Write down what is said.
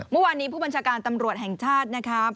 เมื่อวานนี้ผู้บัญชาการตำรวจแห่งชาตินะครับ